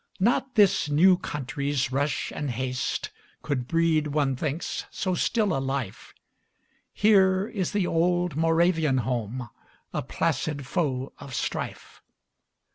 Not this new country's rush and haste Could breed, one thinks, so still a life; Here is the old Moravian home, A placid foe of strife.